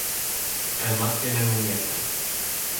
Además tienen un nieto.